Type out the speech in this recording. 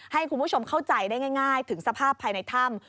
ให้คุณผู้ชมเข้าใจได้ง่ายถึงสภาพภายในถ้ำ